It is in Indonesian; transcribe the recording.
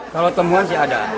kalau temuan sih ada